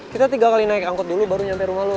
kita tiga kali naik angkut dulu baru nyampe rumah loh